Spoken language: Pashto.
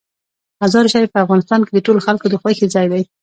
مزارشریف په افغانستان کې د ټولو خلکو د خوښې ځای دی.